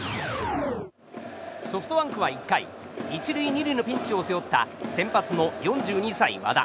ソフトバンクは１回１塁２塁のピンチを背負った先発の４２歳、和田。